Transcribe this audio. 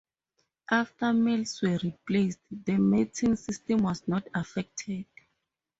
After males were replaced, the mating system was not affected.